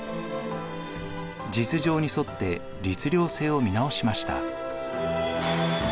実情に沿って律令制を見直しました。